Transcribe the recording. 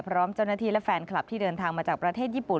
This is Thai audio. พร้อมเจ้าหน้าที่และแฟนคลับที่เดินทางมาจากประเทศญี่ปุ่น